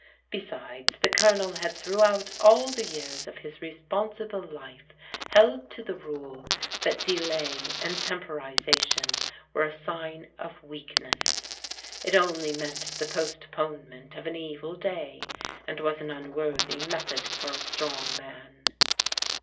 Besides, the Colonel had throughout all the years of his responsible life held to the rule that delay and temporization were a sign of weakness. It only meant the postponement of an evil day, and was an unworthy method for a strong man.